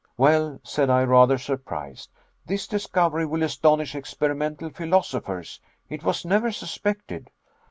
"Well," said I, rather surprised, "this discovery will astonish experimental philosophers. It was never suspected."